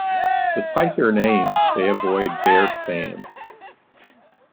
Despite their name, they avoid bare sand.